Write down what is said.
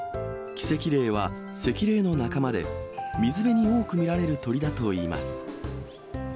キセキレイはセキレイの仲間で、水辺に多く見られる鳥だといいます。